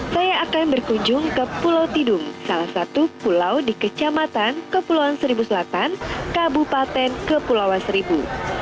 saya akan berkunjung ke pulau tidung salah satu pulau di kecamatan kepulauan seribu selatan kabupaten kepulauan seribu